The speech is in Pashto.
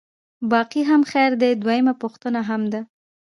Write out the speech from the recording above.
باقي هم خیر دی، دویمه پوښتنه هم ده.